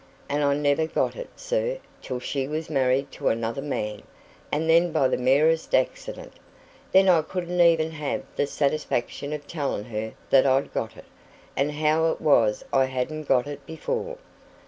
And I never got it, sir, till she was married to another man and then by the merest accident. Then I couldn't even have the satisfaction of telling her that I'd got it, and how it was I hadn't got it before.